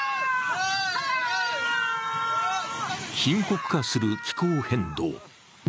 深刻化する気候変動。